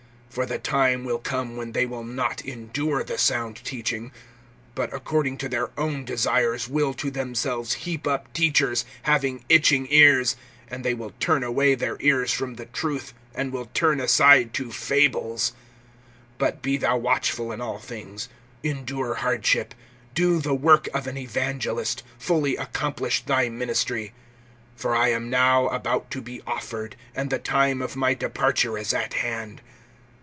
(3)For the time will come when they will not endure the sound teaching, but according to their own desires will to themselves heap up teachers, having itching ears; (4)and they will turn away their ears from the truth, and will turn aside to fables. (5)But be thou watchful in all things, endure hardship, do the work of an evangelist, fully accomplish thy ministry. (6)For I am now about to be offered, and the time of my departure is at hand.